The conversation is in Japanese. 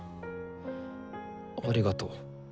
ありがとう。